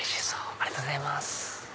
ありがとうございます。